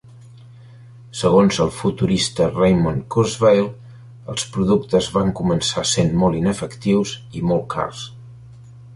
Segons el futurista Raymond Kurzweil, els productes van començar sent molt inefectius i molt cars.